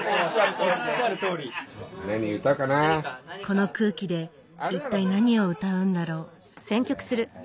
この空気で一体何を歌うんだろう？